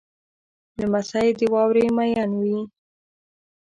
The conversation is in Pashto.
لمسی د واورې مین وي.